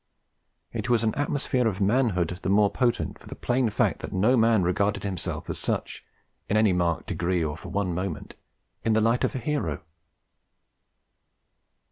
It was an atmosphere of manhood the more potent for the plain fact that no man regarded himself as such in any marked degree, or for one moment in the light of a hero.